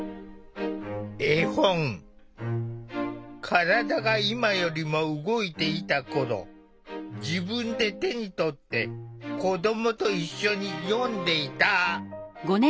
体が今よりも動いていた頃自分で手に取って子どもと一緒に読んでいた。